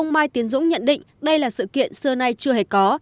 mai tiến dũng nhận định đây là sự kiện xưa nay chưa hề có